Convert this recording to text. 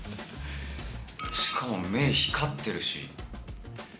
しかも目光ってるし。